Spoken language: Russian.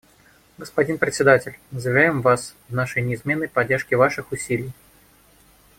Господин Председатель, мы заверяем вас в нашей неизменной поддержке ваших усилий.